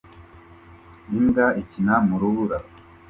Imbwa ikina mu rubura